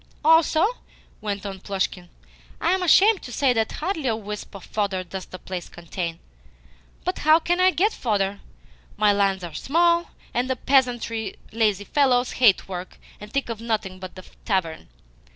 "Also," went on Plushkin, "I am ashamed to say that hardly a wisp of fodder does the place contain. But how can I get fodder? My lands are small, and the peasantry lazy fellows who hate work and think of nothing but the tavern.